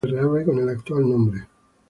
Ese año se reabre con el actual nombre.